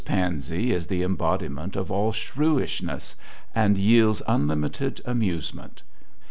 Pansey is the embodiment of all shrewishness, and yields unlimited amusement.